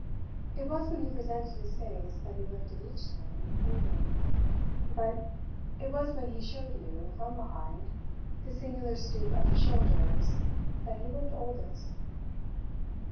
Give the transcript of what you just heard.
It was when he presented his face that he looked, each time, older; but it was when he showed you, from behind, the singular stoop of his shoulders, that he looked oldest.